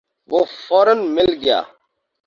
وہ فورا مل گیا۔